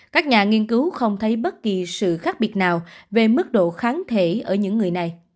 các nhà nghiên cứu không thấy bất kỳ sự khác biệt nào về mức độ kháng thể ở những người này